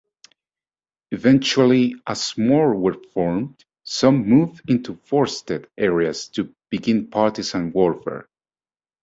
Eventually, as more were formed, some moved into forested areas to begin partisan warfare.